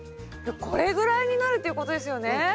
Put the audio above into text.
これぐらいになるということですよね？